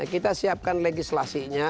kita siapkan legislasinya